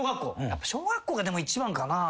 やっぱ小学校がでも一番かなぁ。